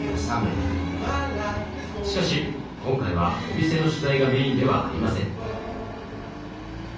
しかし今回はお店の取材がメインではありません。